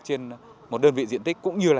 trên một đơn vị diện tích cũng như là